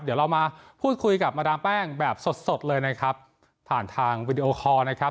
เดี๋ยวเรามาพูดคุยกับมาดามแป้งแบบสดสดเลยนะครับผ่านทางวิดีโอคอร์นะครับ